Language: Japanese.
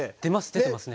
出てますね。